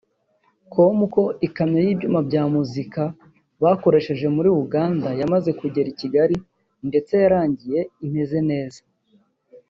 com ko ikamyo y’ibyuma bya muzika bakoresheje muri Uganda yamaze kugera i Kigali ndetse yarangiye imeze neza